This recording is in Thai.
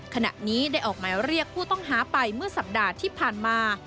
ขณะนี้ได้ออกหมายเรียกผู้ต้องหาไปเมื่อสัปดาห์ที่ผ่านมา